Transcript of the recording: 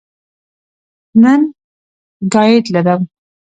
نه ګائیډ لرم.